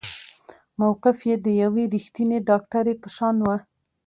موقف يې د يوې رښتينې ډاکټرې په شان وه.